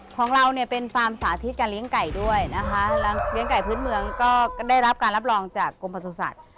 ของเราเนี่ยเป็นฟาร์มสาธิตการเลี้ยงไก่ด้วยนะคะเลี้ยงไก่พื้นเมืองก็ได้รับการรับรองจากกรมประสุทธิ์